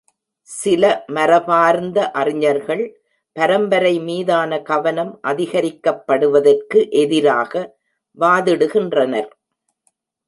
சில மரபார்ந்த அறிஞர்கள் பரம்பரை மீதான கவனம் அதிகரிக்கப்படுவதற்கு எதிராக வாதிடுகின்றனர்.